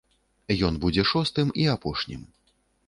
Ён будзе шостым і апошнім.